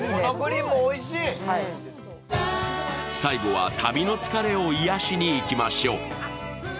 最後は旅の疲れを癒しに行きましょう。